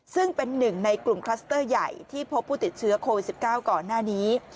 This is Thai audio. ซึ่งเป็นหนึ่งในกลุ่มคลัสเตอร์ใหญ่ที่พบผู้ติดเชื้อโควิด๑๙ก่อนหน้านี้